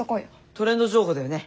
トレンド情報だよね。